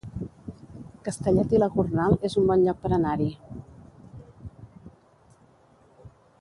Castellet i la Gornal es un bon lloc per anar-hi